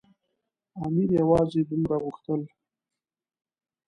امیر یوازې دومره غوښتل.